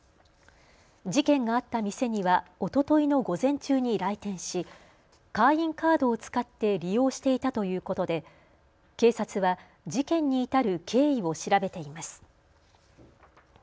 事件があった店にはおとといの午前中に来店し会員カードを使って利用していたということで警察は事件に至る経緯を調べています。